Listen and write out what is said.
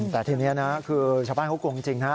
แต่ทีนี้นะคือชาวบ้านเขากลัวจริงนะ